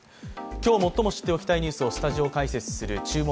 今日最も知っておきたいニュースをスタジオ解説する「注目！